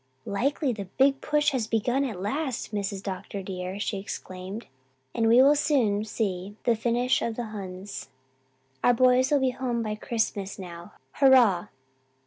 "Likely the Big Push has begun at last, Mrs. Dr. dear," she exclaimed, "and we will soon see the finish of the Huns. Our boys will be home by Christmas now. Hurrah!"